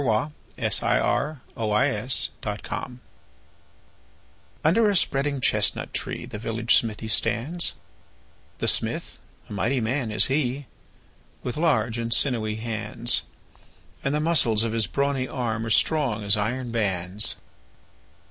The Village Blacksmith UNDER a spreading chestnut tree The village smithy stands; The smith, a mighty man is he, With large and sinewy hands; And the muscles of his brawny arm Are strong as iron bands.